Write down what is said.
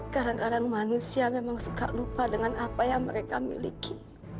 kadang kadang manusia memang suka lupa dengan apa yang mereka miliki